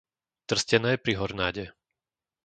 Trstené pri Hornáde